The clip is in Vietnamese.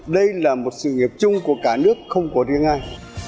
đây là một sự nghiệp chung của cả nước không của riêng ai